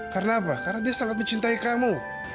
karena apa karena dia sangat mencintai kamu